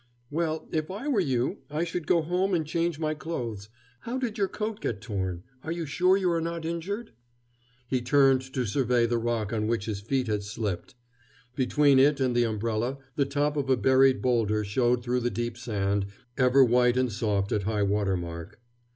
"Well, if I were you, I should go home and change my clothes. How did your coat get torn? Are you sure you are not injured?" He turned to survey the rock on which his feet had slipped. Between it and the umbrella the top of a buried boulder showed through the deep sand, ever white and soft at highwater mark.